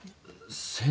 先生。